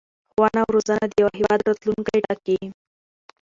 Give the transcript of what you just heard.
ښوونه او رزونه د یو هېواد راتلوونکی ټاکي.